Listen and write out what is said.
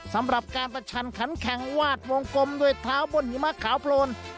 สำหรับการประชันขันแข่งวาดวงกลมด้วยเท้าบนหิมะขาวโพลน